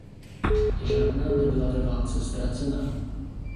Žádná nebyla ve válce ztracena.